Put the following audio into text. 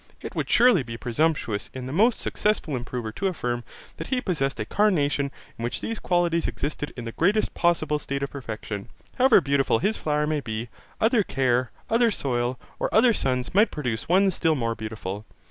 It would surely be presumptuous in the most successful improver to affirm, that he possessed a carnation in which these qualities existed in the greatest possible state of perfection. However beautiful his flower may be, other care, other soil, or other suns, might produce one still more beautiful.